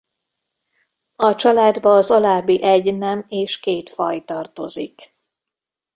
A családba az alábbi egy nem és két faj tartozik